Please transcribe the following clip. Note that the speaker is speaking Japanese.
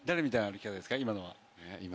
今のは。